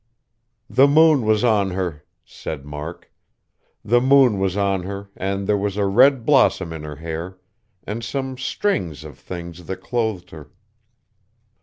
"The moon was on her," said Mark. "The moon was on her, and there was a red blossom in her hair, and some strings of things that clothed her.